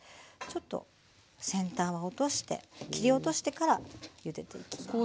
ちょっと先端は落として切り落としてからゆでていきます。